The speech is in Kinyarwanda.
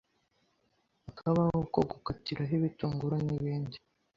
Akabaho ko gukatiraho ibitunguru nibindi